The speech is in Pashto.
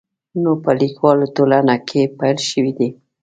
نو په لیکوالو ټولنه کې پیل شوی دی.